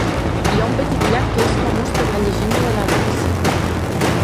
Hi ha un petit llac que és famós per la llegenda de la dona-cigne